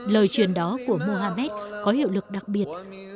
lời truyền đó của mohamed có hiệu lực đặc biệt